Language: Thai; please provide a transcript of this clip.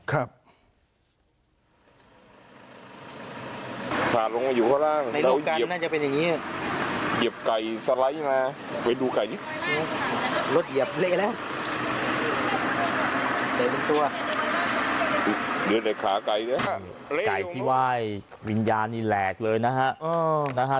ไก่ที่ไหว้วิญญานิแหลกเลยนะฮะ